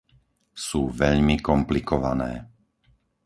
Sú veľmi komplikované.